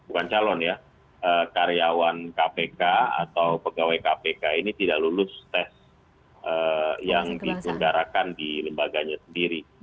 bukan calon ya karyawan kpk atau pegawai kpk ini tidak lulus tes yang ditundarakan di lembaganya sendiri